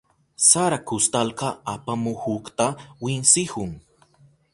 Sara kustalka apamuhukta winsihun.